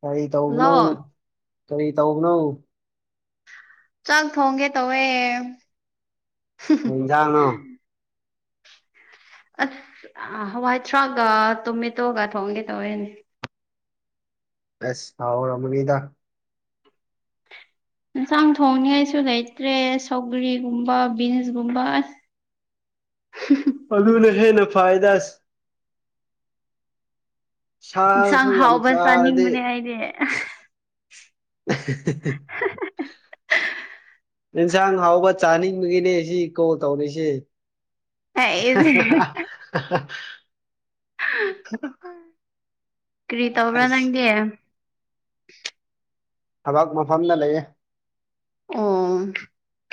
ꯀꯔꯤ ꯇꯧꯕꯧꯕꯅꯣ ꯍꯜꯂꯣ ꯀꯔꯤ ꯇꯧꯕꯅꯧ ꯆꯪ ꯊ ꯍꯒꯦ ꯇꯧꯋ ꯍꯖꯅꯣ ꯑꯁ ꯍꯋꯥꯏꯊꯔꯥꯛꯒ ꯇꯣꯃꯦꯇꯣꯒ ꯊꯣꯡꯒꯦ ꯇꯧꯦꯅꯦ ꯑꯁ ꯑꯥꯎ ꯑꯃ ꯑꯃꯅꯤꯗꯥ ꯌꯦꯟꯁꯥꯡ ꯊꯣꯡꯅꯤ ꯉꯥꯏꯁꯨ ꯂꯩꯇ꯭ꯔꯦ ꯁꯧꯒ꯭ꯔꯤ ꯒꯨꯝꯕ ꯕꯤꯟꯁ ꯒꯨꯝꯕ ꯑꯁ ꯑꯂꯨꯅ ꯍ‌ꯦꯟꯅ ꯐꯩꯗ ꯑꯁ ꯁꯥꯁꯨ ꯏꯟꯁꯥꯡ ꯌꯥꯝ ꯍꯥꯎꯕ ꯆꯥꯔꯗꯤ ꯆꯥꯅꯤꯡꯕꯅꯦ ꯑꯩꯗꯤ ꯑꯦꯟꯁꯥꯡ ꯍꯥꯎꯕ ꯆꯥꯅꯤꯡꯕꯒꯤꯅꯦ ꯁꯤ ꯀꯣ ꯇꯧꯔꯤꯁꯤ [inaudible] ꯑꯩꯁꯦ ꯍꯥꯍꯥ ꯍꯥꯍꯥ ꯀꯔꯤ ꯇꯧꯕ꯭ꯔꯥ ꯑꯩꯁ ꯅꯪꯗꯤ ꯊꯕꯛ ꯃꯐꯝꯗ ꯂꯩꯌꯦ ꯑꯣ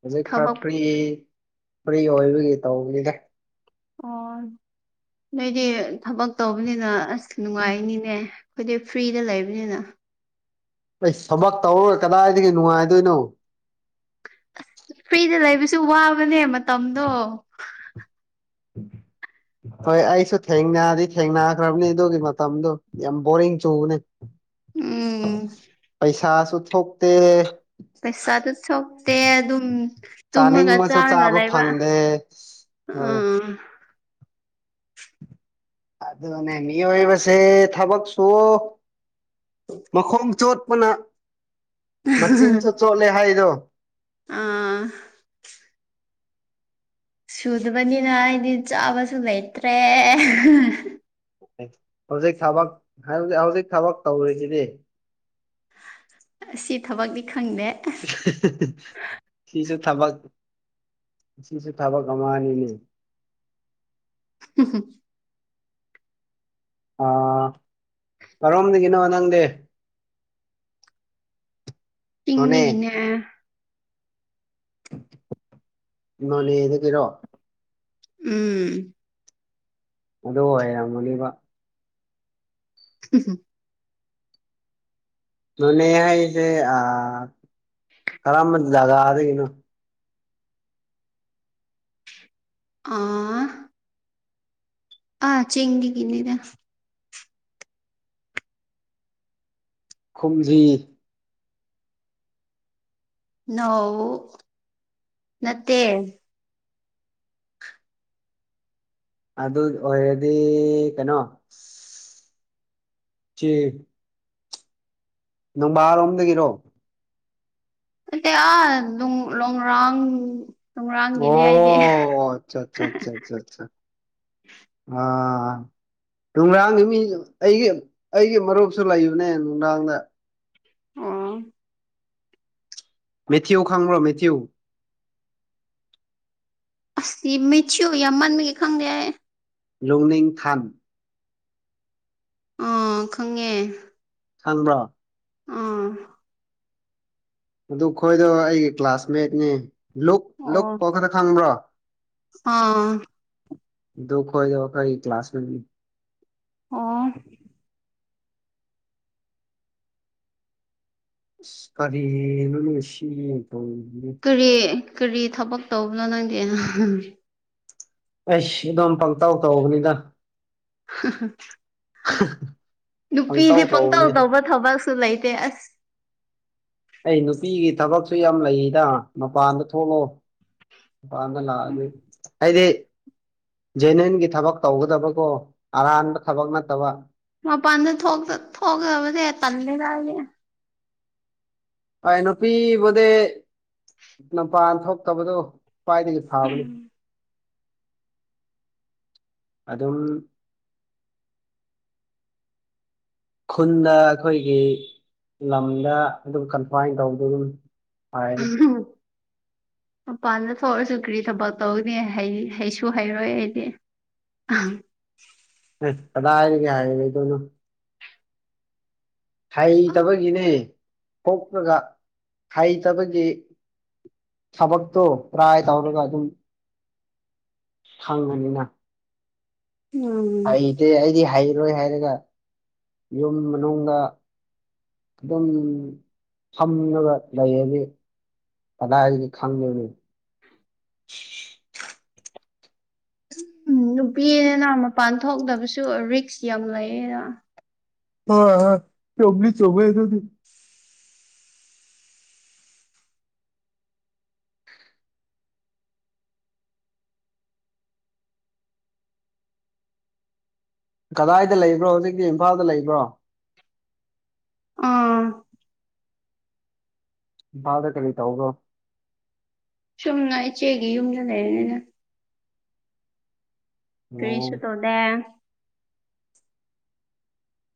ꯍꯧꯖꯤꯛ ꯈꯔ ꯊꯕꯛ ꯐ꯭ꯔꯤ ꯐ꯭ꯔꯤ ꯑꯣꯏꯕꯒꯤ ꯇꯧꯕꯅꯤꯗ ꯑꯣ ꯅꯣꯏꯗꯤ ꯊꯕꯛ ꯇꯧꯕꯅꯤꯅ ꯑꯁ ꯅꯨꯡꯉꯥꯏꯅꯤꯅꯦ ꯑꯩꯈꯣꯏꯗꯤ ꯐ꯭ꯔꯤꯗ ꯂꯩꯕꯅꯤꯅ ꯑꯩ ꯊꯕꯛ ꯇꯧꯔꯥ ꯀꯗꯥꯏꯗꯒꯤ ꯅꯨꯡꯉꯥꯏꯗꯣꯏꯅꯣ ꯑꯁ ꯐ꯭ꯔꯤꯗ ꯂꯩꯕꯁꯨ ꯋꯥꯕꯅꯦ ꯃꯇꯝꯗꯣ [unintelligible] ꯍꯣꯏ ꯑꯩꯁꯨ ꯊꯦꯡꯅꯗꯤ ꯊꯦꯡꯅꯈ꯭ꯔꯕꯅꯤ ꯑꯗꯨꯒꯤ ꯃꯇꯝꯗꯨꯣ ꯌꯥꯝ ꯕꯣꯔꯤꯡ ꯆꯨꯕꯅꯦ ꯎꯝ ꯄꯩꯁꯥꯁꯨ ꯊꯣꯛ ꯊꯣꯛꯇ‌ꯦ ꯄꯩꯁꯥꯗꯨ ꯊꯣꯛꯇꯦ ꯑꯗꯨꯝ ꯇꯨꯝꯃꯥꯒ ꯆꯥꯅꯤꯡꯕꯁꯨ ꯆꯥꯔꯒ ꯆꯥꯕ ꯂꯩꯕ ꯐꯪꯗꯦ ꯍꯣꯏ ꯎꯝ ꯑꯗꯨꯅꯦ ꯃꯤꯑꯣꯏꯕꯁꯦ ꯊꯕꯛꯁꯨ ꯃꯈꯣꯡ ꯆꯣꯠ ꯑꯩꯈꯣꯏꯅ ꯃꯆꯤꯟꯁꯨ ꯆꯣꯠꯂꯦ ꯍꯥꯏꯗꯣ ꯑꯥ ꯁꯨꯗꯕꯅꯤꯅ ꯑꯩꯗꯤ ꯆꯥꯕꯁꯨ ꯂꯩꯇ꯭ꯔꯦ ꯍꯧꯖꯤꯛ ꯊꯕꯛ ꯍꯧꯖꯤꯛ ꯍꯧꯖꯤꯛ ꯊꯕꯛ ꯇꯧꯔꯤꯁꯤꯗꯤ ꯁꯤ ꯊꯕꯛꯅꯤ ꯁꯤꯁꯨ ꯊꯕꯛ ꯁꯤꯁꯨ ꯊꯕꯛ ꯑꯃꯅꯤ ꯑꯅꯤꯅꯦ ꯎꯝ ꯍꯨꯝ ꯑꯥ ꯀꯔꯣꯝꯗꯥꯒꯤꯅꯣ ꯅꯪꯗꯤ ꯅꯣꯅꯦ ꯆꯤꯡꯗꯒꯤꯅꯦ ꯅ‌ꯣꯅꯦ ꯗꯥꯒꯤꯔ‌ꯣ ꯎꯝ ꯑꯗꯣ ꯑ‌ꯣꯏꯔꯝ ꯃꯥꯅꯤꯕ ꯍꯨꯝ ꯍꯨꯝ ꯅ‌ꯣꯅꯦ ꯍꯥꯏꯁꯦ ꯑꯥ ꯀꯔꯝꯕ ꯖꯥꯒꯥꯗꯒꯤꯅ‌ꯣ꯫ ꯑꯥ ꯑꯥ ꯆꯤꯡꯗꯒꯤꯅꯤꯗ ꯈꯨꯝꯖꯤ ꯅꯧ ꯅꯠꯇꯦ ꯑꯗꯨ ꯑꯣꯏꯔꯗꯤ ꯀꯩꯅꯣ ꯆ‌ꯦ ꯅꯣꯡꯕꯥ ꯔꯣꯝꯗꯒꯤꯔꯣ ꯅꯠꯇ‌ꯦ ꯑꯥ ꯂ‌ꯣꯡ ꯂ‌ꯣꯡꯔꯥꯡ ꯑꯣ ꯑꯣ ꯑꯆꯥ ꯑꯆꯥ ꯑꯆꯥ ꯑꯥ ꯑꯥ ꯂ‌ꯣꯡꯔꯥꯡꯒꯤ ꯃꯤ ꯑꯩꯒꯤ ꯑꯩꯒꯤ ꯃꯔꯨꯞꯁꯨ ꯂꯩꯕꯅꯦ ꯂ‌ꯣꯡꯔꯥꯡꯗ ꯑ‌ꯣ ꯃꯦꯊ꯭ꯌꯨ ꯈꯥꯉ꯭ꯔꯣ ꯃꯦꯊ꯭ꯌꯨ ꯑꯁ ꯃꯦꯊ꯭ꯌꯨ ꯌꯥꯝꯃꯟꯕꯒꯤ ꯈꯪꯗ‌ꯦꯍ‌ꯦ ꯂꯣꯡꯅꯤꯡꯊꯥꯟ ꯑꯥ ꯈꯪꯉꯦ ꯈꯪꯕ꯭ꯔꯥ ꯑꯥ ꯑꯗꯨ ꯈꯣꯏꯗꯣ ꯑꯩꯒꯤ ꯀ꯭ꯂꯥꯁꯃꯦꯠꯅꯦ ꯂꯣꯛ ꯂꯛ ꯑꯣ ꯀꯈꯛꯇ ꯈꯪꯕ꯭ꯔꯥ ꯑꯥ ꯗꯨ ꯈ ꯑꯣꯏꯗ ꯋꯥꯈ ꯑꯩ ꯀ ꯀ꯭ꯂꯥꯁ ꯃꯗꯤ ꯑꯣ ꯀꯔꯤꯅꯁꯤ ꯀꯔꯤ ꯀꯔꯤ ꯊꯕꯛ ꯇꯧꯕꯅꯣ ꯅꯪꯗꯤ ꯑꯩꯁ ꯑꯗꯨꯝ ꯄꯪꯇꯥꯎ ꯇꯧꯕꯅꯤꯗ ꯅꯨꯄꯤꯗꯤ ꯄꯪꯇꯧ ꯇꯧꯕ ꯊꯕꯛꯁꯨ ꯂꯩꯇ ꯄꯁ ꯑꯩ ꯅꯨꯄꯤꯒꯤ ꯊꯕꯛꯁꯨ ꯌꯥꯝ ꯂꯩꯔꯤꯗ ꯃꯄꯥꯟꯗ ꯊꯣꯛꯂꯑꯣ ꯄꯥꯟꯗꯂ ꯑꯗꯨ ꯑꯗꯤ ꯖꯦꯅꯦꯟꯒꯤ ꯊꯕꯛ ꯇꯧꯒꯗꯕꯀꯣ ꯑꯔꯥꯟꯕ ꯊꯕꯛ ꯅꯠꯇꯕ ꯃꯄꯥꯟꯗ ꯊꯣꯛꯈꯕꯗꯤꯦ ꯇꯜꯂꯦꯔꯗꯤ ꯑꯩꯥꯏ ꯅꯨꯄꯤꯕꯨꯗꯤ ꯅꯨꯄꯥꯟ ꯊꯣꯛꯇꯕꯗꯨꯣ ꯄꯥꯏꯗꯒ ꯊꯥꯕ ꯂꯩ ꯑꯗꯨꯝ ꯈꯨꯟꯗ ꯑꯩꯈꯣꯏꯒꯤ ꯂꯝꯗ ꯑꯗꯨꯝ ꯀꯟꯐꯥꯏꯟ ꯇꯧꯕꯗ ꯑꯗꯨꯝ ꯍꯥꯏꯝ ꯃꯄꯥꯟꯗ ꯊꯣꯛꯧꯔꯁꯨ ꯀꯔꯤ ꯊꯕꯛ ꯇꯧꯅꯤ ꯍꯩꯁꯨ ꯍꯩꯔꯣꯏ ꯑꯩꯗꯤ ꯑꯥ ꯀꯗꯥ ꯍꯥꯏꯔꯒꯦ ꯍꯥꯏꯔꯗ ꯍꯩꯇꯕꯒꯤꯅꯤ ꯀꯣꯛꯂꯒ ꯍꯩꯇꯕꯒꯤ ꯊꯕꯛꯛꯇꯣ ꯄ꯭ꯔꯥꯏ ꯇꯔꯒ ꯑꯗꯨꯝ ꯍꯪꯕꯅꯤꯅ ꯎꯝ ꯍꯗꯤꯦ ꯑꯩꯗꯤ ꯏꯔꯣꯏ ꯍꯥꯏꯔꯒ ꯌꯨꯝ ꯃꯅꯨꯡꯗꯅ ꯑꯗꯨꯝ ꯐꯝꯉꯒ ꯂꯩꯔꯗꯤ ꯄꯗꯥ ꯍꯥꯏꯗꯤ ꯈꯪꯗꯔꯦ ꯎꯝ ꯅꯨꯄꯤꯅꯅ ꯃꯄꯥꯟ ꯊꯣꯛꯇꯕꯁꯨ ꯔꯤꯛꯁ ꯌꯥꯝ ꯂꯩꯌꯦꯗ ꯑ ꯆꯣꯕꯂꯤ ꯆꯕꯩꯗꯗꯤ ꯀꯗꯥꯏꯗ ꯂꯩꯕ꯭ꯔꯣ ꯍꯧꯖꯤꯛꯇꯤ ꯏꯝꯐꯥꯜꯗ ꯂꯩꯕ꯭ꯔꯣ ꯑꯥ ꯗ ꯀ ꯂꯩ ꯇꯧꯒ ꯁꯨꯝꯅ ꯏꯆꯦꯒꯤ ꯌꯨꯝꯗ ꯂꯩꯔꯅꯤꯅ ꯑꯣ ꯀꯔꯤꯁꯨ ꯇꯣꯗꯦ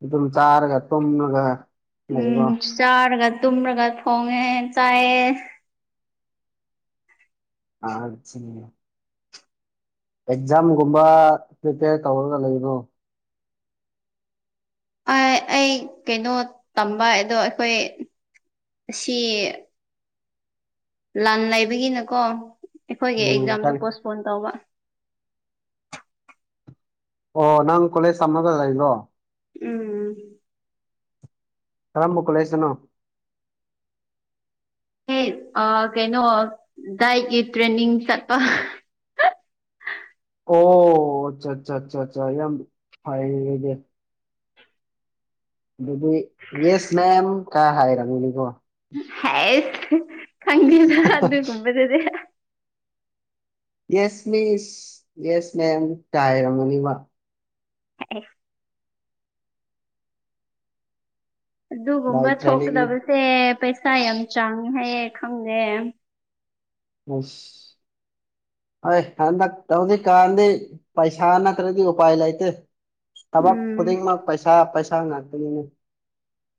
ꯑꯗꯨ ꯑꯗꯨꯝ ꯆꯥꯔꯒ ꯇꯨꯝꯃꯒ ꯎꯝ ꯆꯥꯔꯒ ꯇꯨꯝꯔꯒ ꯊꯣꯡꯉꯦ ꯆꯥꯏꯑ ꯑꯔꯖꯅꯤꯅꯥ ꯑꯦꯛꯖꯥꯝꯒꯨꯝꯕ ꯄ꯭ꯔꯤꯄꯦꯌꯔ ꯇꯧꯔꯒ ꯂꯩꯅꯣ ꯑꯩ ꯀꯩꯅꯣ ꯇꯝꯕ ꯑꯗꯣ ꯑꯩꯈꯣꯏ ꯑꯁꯤ ꯂꯥꯟ ꯂꯩꯕꯒꯤꯅꯀꯣ ꯑꯩꯈꯣꯏꯒꯤ ꯎꯝ ꯑꯦꯛꯖꯥꯝꯗꯣ ꯀꯔꯤ ꯄꯣꯁꯄꯣꯟ ꯇꯧꯕ ꯑꯣ ꯅꯪ ꯀꯂꯦ ꯁꯃꯒ ꯂ ꯏꯂꯣ ꯎꯝ ꯀꯔꯝꯕꯨꯀ ꯂꯩꯁꯅꯣ ꯍ ꯀꯩꯅꯣ ꯗꯥꯏꯠꯀꯤ ꯇ꯭ꯔꯦꯟꯅꯤꯡ ꯆꯠꯄ ꯑꯣ ꯑꯆꯥ ꯑꯆꯥ ꯑꯆꯥ ꯆꯥ ꯌꯥꯝ ꯐꯩ ꯌꯦꯅꯦ ꯑꯗꯨꯗꯤ ꯌꯦꯁ ꯃꯦꯝ ꯀ ꯍꯥꯏꯔꯝꯒꯅꯤꯀꯣ ꯍꯩꯁ ꯈꯪꯗꯦꯗ ꯑꯗꯨ ꯒꯨꯝꯕꯗꯨꯗꯤ ꯌꯦꯁ ꯃꯤꯁ ꯌꯦꯁ ꯃꯦꯝ ꯀꯥꯏ ꯍꯥꯏꯔꯝꯒꯅꯤꯕ ꯑꯦ ꯑꯗꯨꯒꯨꯝꯕ ꯕꯥꯏ ꯇ꯭ꯔꯦꯅꯤꯡ ꯊꯣꯛꯀꯗꯕꯁꯦ ꯄꯩꯁꯥ ꯌꯥꯝ ꯆꯥꯡꯉꯦ ꯍꯥꯏꯌꯦ ꯈꯪꯗꯦ ꯑꯁ ꯑꯦ ꯍꯟꯗꯛ ꯇꯧꯗꯤ ꯀꯥꯟꯗꯤ ꯄꯩꯁꯥ ꯅꯠꯇ꯭ꯔꯗꯤ ꯎꯄꯥꯏ ꯂꯩꯇꯦ ꯊꯕꯛ ꯎꯝ ꯈꯨꯗꯤꯡꯃꯛ ꯄꯩꯁꯥ ꯄꯩꯁꯥ ꯉꯥꯛꯇꯅꯤꯅꯦ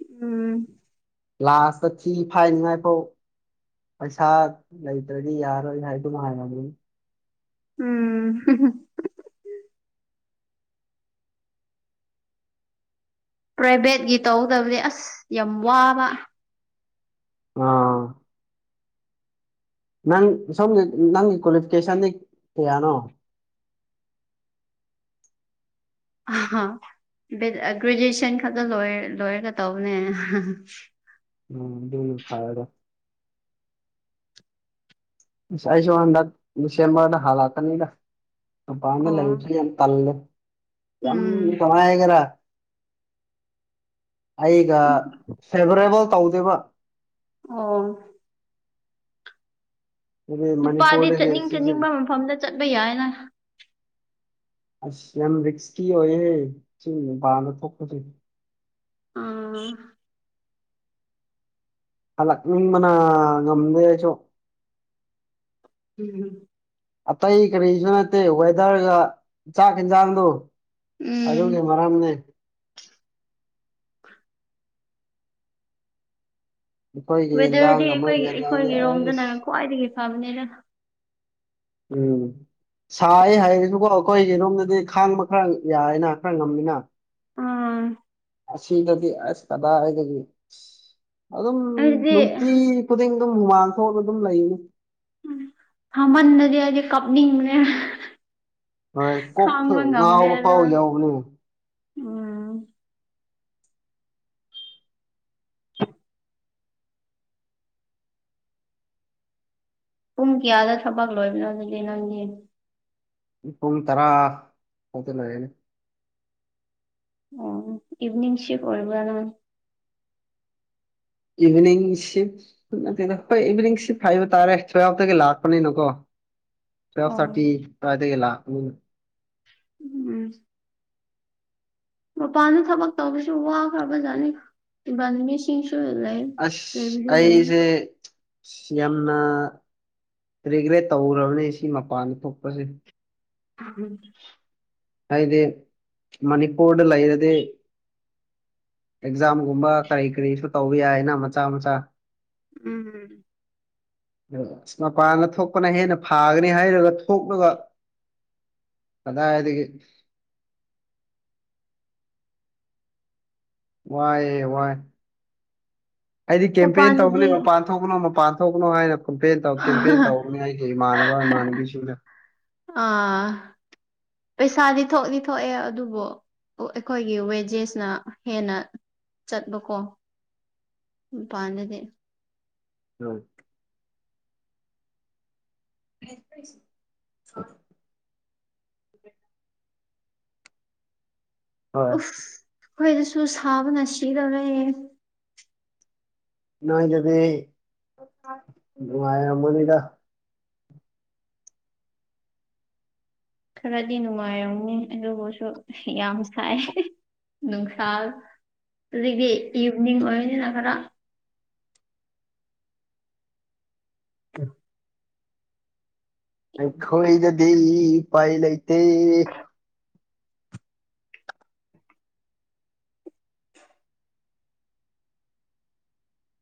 ꯎꯝ ꯂꯥꯁꯇ ꯊꯨ ꯐꯥꯏꯅꯤꯡꯉꯥꯏ ꯐꯥꯎ ꯄꯩꯁꯥ ꯂꯩꯇ꯭ꯔꯗꯤ ꯌꯥꯔꯣꯏ ꯍꯥꯏꯗꯨꯝ ꯍꯥꯏꯔꯝꯒꯅꯤ ꯎꯝ ꯄ꯭ꯔꯥꯏꯚꯦꯠꯀꯤ ꯇꯧꯒꯗꯕꯅꯤ ꯑꯁ ꯌꯥꯝ ꯋꯥꯕ ꯑꯥ ꯅꯪ ꯁꯣꯝꯒꯤ ꯅꯪꯒꯤ ꯀ꯭ꯋꯥꯂꯤꯐꯤꯀꯦꯁꯟꯗꯤ ꯀꯌꯥꯅꯣ ꯑꯍꯥ ꯕꯦꯠ ꯒ꯭ꯔꯦꯖꯦꯁꯟ ꯈꯛꯇ ꯂꯣꯏꯔꯒ ꯇꯧꯕꯅꯦ ꯎꯝ ꯑꯗꯨꯗꯤ ꯐꯔꯦ ꯥꯑꯁ ꯑꯩꯁꯨ ꯍꯟꯗꯛ ꯗꯤꯁꯦꯝꯕꯔ꯭ ꯗ ꯍꯜꯂꯛꯀꯅꯤꯗ ꯃꯄꯥꯟꯗ ꯑꯣ ꯂꯩꯕꯁꯦ ꯌꯥꯝ ꯇꯜꯂꯦ ꯌꯥꯝ ꯎꯝ ꯀꯃꯥꯏ ꯍꯥꯏꯒꯦꯔ ꯑꯩꯒ ꯐꯦꯚꯔꯦꯕꯜ ꯇꯧꯗꯦꯕ ꯑꯣ ꯍꯥꯏꯗꯤ ꯅꯨꯄꯥꯗꯤ ꯃꯅꯤꯄꯨꯔꯗꯒꯤ ꯆꯠꯅꯤꯡ ꯁꯤꯁꯦ ꯆꯠꯅꯤꯡꯕ ꯃꯐꯝꯗ ꯆꯠꯄ ꯌꯥꯏꯅ [inaudible] ꯑꯁ ꯌꯥꯝ ꯔꯤꯛꯁꯀꯤ ꯑꯣꯏꯌꯦ ꯆꯤꯡ ꯃꯄꯥꯟꯗ ꯊꯣꯛꯄꯗꯣ ꯑꯥ ꯍꯜꯂꯛ ꯅꯤꯡꯕꯅ ꯉꯝꯗꯦ ꯑꯩꯁꯨ ꯑꯝ ꯑꯝ ꯑꯇꯩ ꯀꯔꯤꯁꯨ ꯅꯠꯇꯦ ꯋꯦꯗꯔꯒ ꯆꯥꯛ ꯏꯟꯖꯥꯡꯗꯣ ꯎꯝ ꯑꯗꯨꯒꯤ ꯃꯔꯝꯅꯦ ꯑꯩꯈꯣꯏꯒꯤ ꯋꯦꯗꯔꯗꯤ ꯌꯦꯟꯖꯥꯡꯒ ꯑꯩꯈꯣꯏ ꯃꯣꯏꯒꯤ ꯌꯦꯟꯖꯥꯡꯗꯤ ꯑꯩꯈꯣꯏꯒꯤꯔꯣꯝꯗꯅ ꯑꯩꯁ ꯈ꯭ꯋꯥꯏꯗꯒꯤ ꯐꯕꯅꯦꯗ ꯎꯝ ꯁꯥꯏ ꯍꯥꯏꯔꯁꯨꯀꯣ ꯑꯩꯈꯣꯏꯒꯤ ꯌꯨꯝꯗꯗꯤ ꯈꯥꯡꯕ ꯈꯔ ꯌꯥꯏꯅ ꯈꯔ ꯉꯝꯃꯤꯅ ꯎꯝ ꯑꯁꯤꯗꯗꯤ ꯑꯁ ꯀꯗꯥꯏꯗꯒꯤ ꯑꯗꯨꯝ ꯑꯩꯗꯤ ꯅꯨꯡꯇꯤ ꯈꯨꯗꯤꯡ ꯑꯗꯨꯝ ꯍꯨꯃꯥꯡ ꯊꯣꯛꯑ ꯑꯗꯨꯝ ꯂꯩꯒꯅꯤ ꯎ ꯁꯥꯃꯟ ꯂꯗꯤ ꯑꯩꯗꯤ ꯀꯞꯅꯤꯡꯕꯅꯦ ꯍꯣꯏ ꯀꯣꯛ ꯈꯥꯡꯕ ꯉꯥꯎꯕ ꯐꯥꯎꯕ ꯌꯥꯎꯕꯅꯦ ꯑꯝ ꯄꯨꯡ ꯀꯌꯥꯗ ꯊꯕꯛ ꯂꯣꯏꯕꯅꯣ ꯑꯗꯨꯗꯤ ꯅꯪꯗꯤ ꯄꯨꯡ ꯇꯔꯥ ꯐꯥꯎꯗ ꯂꯩꯔꯦꯅꯦ ꯑꯣ ꯏꯚꯤꯅꯤꯡ ꯁꯤꯞ ꯑꯣꯏꯕꯔ ꯅꯪ ꯏꯚꯤꯅꯤꯡ ꯁꯤꯞ ꯅꯠꯇꯦꯗ ꯍꯣꯏ ꯏꯚꯤꯅꯤꯡ ꯁꯤꯞ ꯍꯥꯏꯕ ꯇꯥꯔꯦ ꯁꯣꯋꯥꯏꯠ ꯇꯒꯤ ꯂꯥꯛꯄꯅꯤꯅꯀꯣ ꯇꯨꯋꯦꯞ ꯑꯣ ꯊꯥꯔꯇꯤ ꯁꯨꯋꯥꯏꯗꯒꯤ ꯂꯥꯛꯄꯅꯤꯅ ꯎꯝ ꯃꯄꯥꯟꯗ ꯊꯕꯛ ꯇꯧꯕꯁꯨ ꯋꯥꯈ꯭ꯔꯕꯖꯥꯠꯅꯤ ꯏꯃꯥꯟ ꯅꯕꯤꯁꯤꯡꯁꯨ ꯑꯁ ꯑꯩꯁꯦ ꯌꯥꯝꯅ ꯔꯤꯒ꯭ꯔꯦꯠ ꯇꯧꯔꯕꯅꯤ ꯁꯤ ꯃꯄꯥꯟꯗ ꯊꯣꯛꯄꯁꯦ ꯑꯝ ꯍꯥꯏꯗꯤ ꯃꯅꯤꯄꯨꯔꯗ ꯂꯩꯔꯗꯤ ꯑꯦꯛꯖꯥꯝꯒꯨꯝꯕ ꯀꯔꯤ ꯀꯔꯤꯁꯨ ꯇꯧꯕ ꯌꯥꯏꯅ ꯃꯆꯥ ꯃꯆꯥ ꯎꯝ ꯑ ꯃꯄꯥꯟꯗ ꯊꯣꯛꯄꯅ ꯍꯦꯟꯅ ꯐꯥꯒꯅꯤ ꯍꯥꯏꯔꯒ ꯊꯣꯛꯂꯒ ꯑꯗꯤ ꯋꯥꯏ ꯋꯥꯏ ꯑꯩꯗꯤ ꯀꯦꯝꯄꯦꯟ ꯇꯧꯕꯅꯤ ꯃꯄꯥꯟꯗꯗꯤ ꯃꯄꯥꯟ ꯊꯣꯛꯄꯅꯣ ꯃꯄꯥꯟ ꯊꯣꯛꯄꯅꯣ ꯍꯥꯏ ꯀꯝꯄꯦ ꯇꯧ ꯀꯦꯝꯄꯦ ꯇꯧꯅꯤ ꯑꯩꯒꯤ ꯏꯃꯥꯟꯅꯕ ꯏꯃꯥꯟꯅꯕꯤ ꯁꯗꯦ ꯑꯥ ꯄꯩꯁꯥꯗꯤ ꯊꯣꯛꯗꯤ ꯊꯣꯛꯑꯦ ꯑꯗꯨꯕꯨ ꯑꯩꯈꯣꯏꯒꯤ ꯋꯦꯖꯦꯁꯅ ꯍꯦꯟꯅ ꯆꯠꯕꯀꯣ ꯃꯄꯥꯟꯗꯗꯤ ꯑ [unintelligible] [inaudible] ꯍꯣꯏ ꯎꯐ ꯑꯩꯈꯣꯏꯗꯁꯨ ꯁꯥꯕꯅ ꯁꯤꯗꯧꯔꯦ ꯅꯣꯏ ꯑꯗꯨꯗꯤ ꯅꯨꯡꯉꯃꯅꯤꯗ ꯈꯔꯗꯤ ꯅꯨꯡꯉꯥꯏꯔꯝꯅꯤ ꯑꯗꯨꯕꯨꯁꯨ ꯌꯥꯝ ꯁꯥꯏ ꯅꯨꯡꯁꯥ ꯑꯗꯒꯤ ꯏꯚꯅꯤꯡ ꯑꯣꯏꯕꯅꯤꯅ ꯈꯔ ꯀ ꯑꯩꯈꯣꯏꯗꯗꯤ ꯄꯥꯏ ꯂꯩꯇꯦ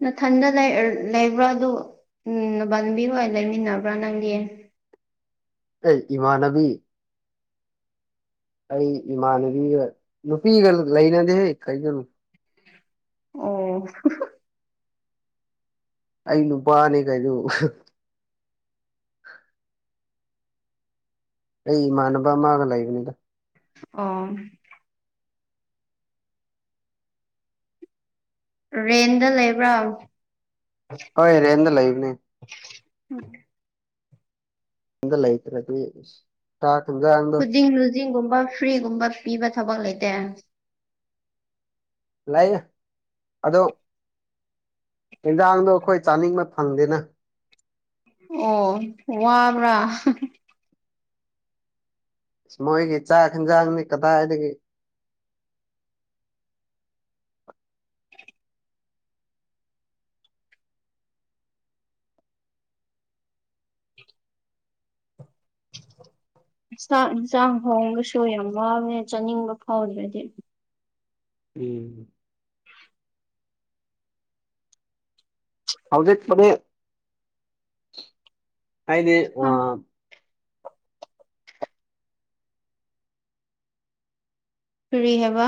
ꯃꯊꯟꯗ ꯂꯩꯕ꯭ꯔꯥ ꯑꯗꯨ ꯎꯝ ꯄ ꯂꯝꯕꯤ ꯍ ꯂꯩꯃꯤꯟꯅꯕ꯭ꯔꯥ ꯅꯪꯒꯤ ꯑꯦ ꯏꯃꯥ ꯅꯕꯤ ꯑꯩ ꯏꯃꯥꯕꯤꯒ ꯅꯨꯄꯤꯒ ꯂꯩ ꯂꯦꯟꯗ ꯍꯦ ꯀꯒ ꯑꯗꯨ ꯑꯣ ꯑ ꯅꯨꯄꯥꯅꯦ ꯀꯩꯅꯩꯅꯣ ꯑꯩ ꯏꯃꯅꯕ ꯃꯥꯒ ꯂꯩꯕꯅꯤꯗ ꯑꯣ ꯔꯦꯟꯗ ꯂꯩꯕ꯭ꯔꯥ ꯍꯣꯏ ꯔꯦꯟꯗ ꯂꯩꯕꯅꯦ ꯎꯦ ꯆꯇꯔꯗꯤ ꯈꯨꯗꯤꯡ ꯂꯨꯖꯤꯡꯒꯨꯝꯕ ꯐ꯭ꯔꯤꯒꯨꯝꯕ ꯄꯤꯕ ꯊꯕꯛ ꯂꯩꯇꯦ ꯂꯩꯥꯏ ꯑꯗꯣ ꯌꯦꯟꯖꯥꯡꯗꯣ ꯑꯩꯈꯣꯏ ꯆꯥꯅꯤꯡꯕ ꯐꯪꯗꯦꯅ ꯑꯣ ꯋꯥꯕ꯭ꯔꯥ ꯃꯣꯏꯒꯤ ꯆꯥꯛ ꯌꯦꯟꯖꯥꯡꯅꯤ ꯀꯗꯥꯏꯗꯒꯤ [unintelligible] [inaudible] ꯌꯦꯟꯁꯥꯡ ꯍꯣꯡꯕꯁꯨ ꯌꯥꯝ ꯋꯥꯦ ꯆꯥꯅꯤꯡꯕ ꯐꯥꯎꯔꯗꯤ ꯎꯝ ꯍꯧꯖꯤꯦꯅꯦ ꯀꯥꯏꯅꯦ ꯑ ꯍꯥ ꯐꯔꯤ ꯍꯕ